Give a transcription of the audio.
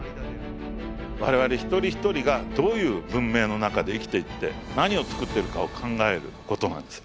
我々一人一人がどういう文明の中で生きていって何を作ってるかを考えることなんですよ。